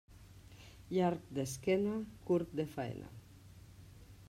Llarg d'esquena, curt de faena.